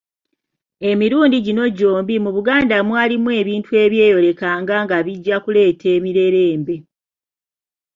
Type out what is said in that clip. Emirundi gino gy’ombi mu Buganda mwalimu ebintu ebyeyolekanga nga bijja kuleeta emirerembe.